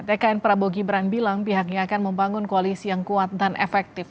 tkn prabowo gibran bilang pihaknya akan membangun koalisi yang kuat dan efektif